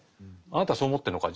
「あなたそう思ってるのか。